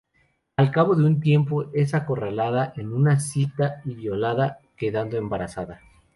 Al cabo de un tiempo es acorralada en una cita y violada, quedando embarazada.